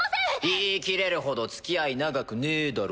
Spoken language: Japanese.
言い切れるほどつきあい長くねぇだろ。